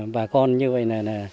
bà con như vậy là